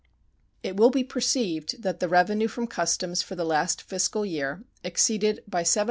It will be perceived that the revenue from customs for the last fiscal year exceeded by $757,070.